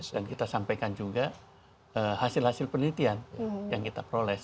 dan kita sampaikan juga hasil hasil penelitian yang kita proles